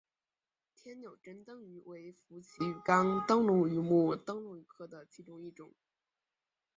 天纽珍灯鱼为辐鳍鱼纲灯笼鱼目灯笼鱼科的其中一种。